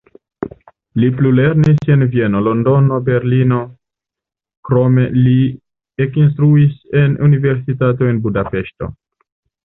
Li plulernis en Vieno, Londono Berlino, krome li ekinstruis en universitato en Budapeŝto.